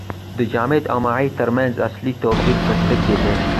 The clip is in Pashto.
د جامد او مایع ترمنځ اصلي توپیر په څه کې دی